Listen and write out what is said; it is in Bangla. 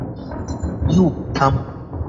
ইউ, থামো।